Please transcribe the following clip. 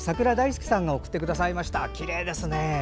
きれいですね。